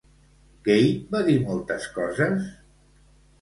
Kate va dir moltes coses?